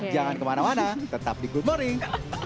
jangan kemana mana tetap di good morning